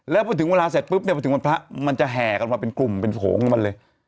แล้วพอถึงเวลาเสร็จปุ๊บเนี่ยพอถึงวันพระมันจะแห่กันมาเป็นกลุ่มเป็นโขงของมันเลย